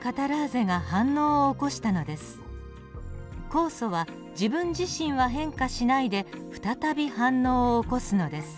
酵素は自分自身は変化しないで再び反応を起こすのです。